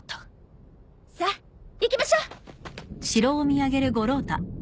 さあ行きましょう！